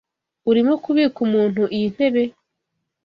Urimo kubika umuntu iyi ntebe?